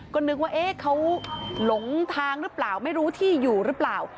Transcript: ก็นึกว่าเขาหลงทางหรือเปล่าไม่รู้ที่อยู่หรือเปล่า